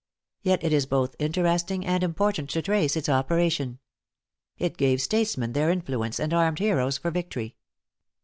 Yet it is both interesting and important to trace its operation. It gave statesmen their influence, and armed heroes for victory.